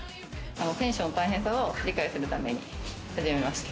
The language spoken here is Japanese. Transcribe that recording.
選手の大変さを理解するために始めました。